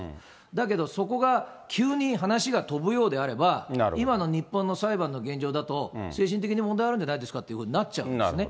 だけど、そこが急に話が飛ぶようであれば、今の日本の裁判の現状だと、精神的に問題あるんじゃないかというふうになっちゃうんですね。